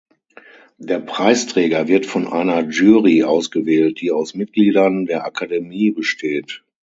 Der Preisträger wird von einer Jury ausgewählt, die aus Mitgliedern der Akademie besteht.